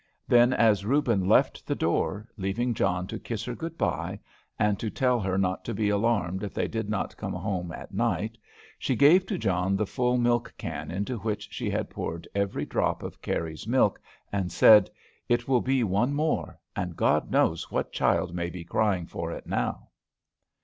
Then, as Reuben left the door, leaving John to kiss her "good by," and to tell her not to be alarmed if they did not come home at night, she gave to John the full milk can into which she had poured every drop of Carry's milk, and said, "It will be one more; and God knows what child may be crying for it now."